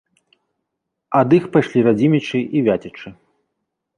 Ад іх пайшлі радзімічы і вяцічы.